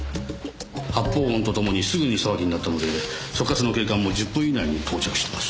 発砲音と共にすぐに騒ぎになったので所轄の警官も１０分以内に到着してます。